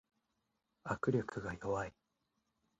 握力が弱い